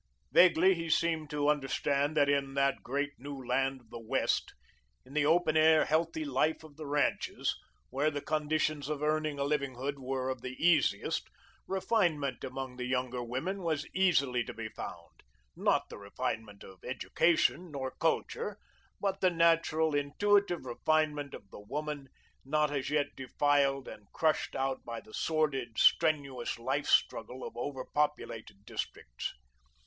Vaguely he seemed to understand that, in that great new land of the West, in the open air, healthy life of the ranches, where the conditions of earning a livelihood were of the easiest, refinement among the younger women was easily to be found not the refinement of education, nor culture, but the natural, intuitive refinement of the woman, not as yet defiled and crushed out by the sordid, strenuous life struggle of over populated districts.